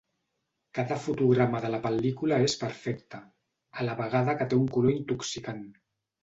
Cada fotograma de la pel·lícula és perfecta, a la vegada que té un color intoxicant.